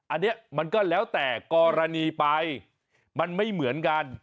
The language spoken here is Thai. อันนี้มันก็แล้วแต่กรณีไปมันไม่เหมือนกัน